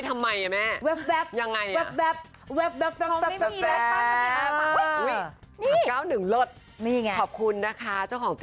ปิดป้ายทำไมอ่ะแม่